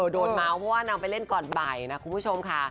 โดนเมาส์เพราะว่านางไปเล่นก่อนบ่ายนะคุณผู้ชมค่ะ